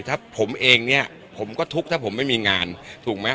ถ้าผมเองเนี่ยผมก็ทุกข์ถ้าผมไม่มีงานถูกไหม